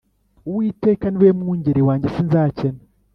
Uwiteka niwe mwungeri wanjye sinzakena